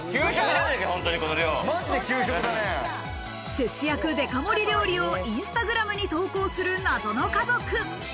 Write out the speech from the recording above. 節約デカ盛り料理をインスタグラムに投稿する謎の家族。